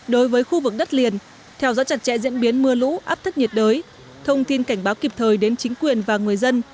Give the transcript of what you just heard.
đối với khu vực đất liền theo dõi chặt chẽ diễn biến mưa lũ áp thấp nhiệt đới thông tin cảnh báo kịp thời đến chính quyền và người dân